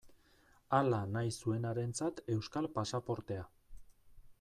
Hala nahi zuenarentzat euskal pasaportea.